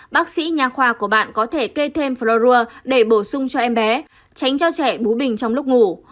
bác sĩ nhà khoa của bạn có thể kê thêm floroua để bổ sung cho em bé tránh cho trẻ bú bình trong lúc ngủ